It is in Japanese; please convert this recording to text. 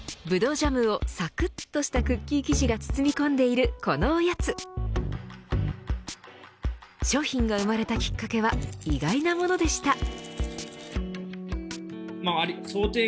ぶどうジャムをさくっとしたクッキー生地が包み込んでいる、このおやつ商品が生まれたきっかけは意外なものでした。